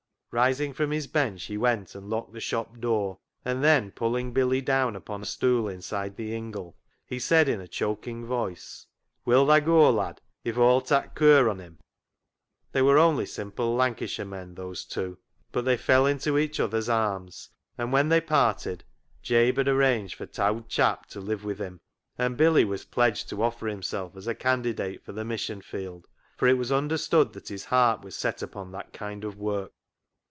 Rising from his bench, he went and locked the shop door, and then pulling Billy down upon a stool inside the ingle, he said in a choking voice — "Will tha goa, lad, if Aw'll tak' cur on him ?" They were only simple Lancashire men, those two; but they fell into each other's arms, and when they parted Jabe had arranged for " t'owd chap " to live with him, and Billy was pledged to offer himself as a candidate for the mission field, for it was understood that his heart was set upon that kind of work.